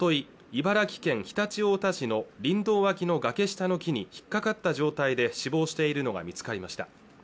茨城県常陸太田市の林道脇の崖下の木に引っかかった状態で死亡しているのが見つかりました